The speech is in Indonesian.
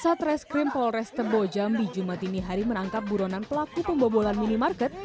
satres krimpol restorbo jambi jumat ini hari menangkap buronan pelaku pembobolan minimarket